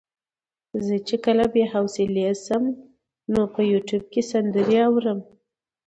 زه چې کله بې حوصلې شم نو په يوټيوب کې سندرې اورم.